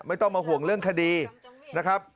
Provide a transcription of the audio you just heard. ไม่ต้องมาห่วงเรื่องคดีนะครับ